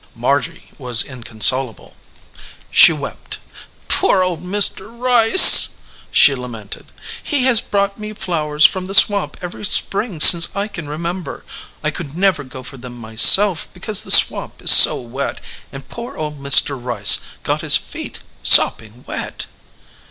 Margy was inconsolable. She wept. "Poor old Mr. Rice!" she lamented. "He has brought me flowers from the swamp every spring since I can 26 THE OLD MAN OF THE FIELD remember. I could never go for them myself be cause the swamp is so wet, and poor old Mr. Rice got his feet sopping wet."